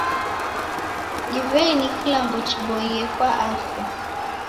Divei ni kilambo chiboie kwa afya?